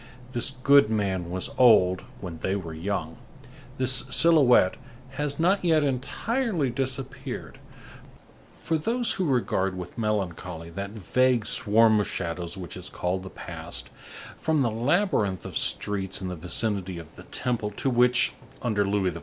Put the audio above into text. This good man was old when they were young. This silhouette has not yet entirely disappeared—for those who regard with melancholy that vague swarm of shadows which is called the past—from the labyrinth of streets in the vicinity of the Temple to which, under Louis XIV.